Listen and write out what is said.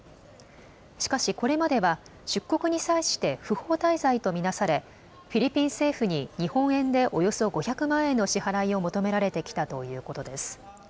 しかしこれまでは出国に際して不法滞在と見なされ、フィリピン政府に日本円でおよそ５００万円の支払いを求められてきたということです。